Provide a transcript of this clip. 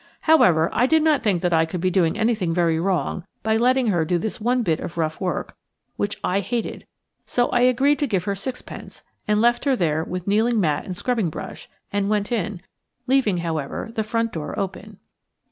However, I did not think that I could be doing anything very wrong by letting her do this one bit of rough work, which I hated, so I agreed to give her sixpence, and left her there with kneeling mat and scrubbing brush, and went in, leaving, however, the front door open.